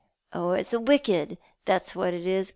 Oh, its wicked, that's what it is.